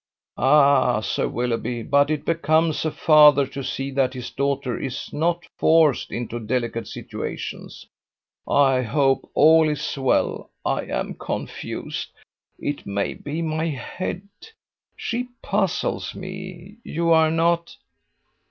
"Ah, Sir Willoughby, but it becomes a father to see that his daughter is not forced into delicate situations. I hope all is well. I am confused. It may be my head. She puzzles me. You are not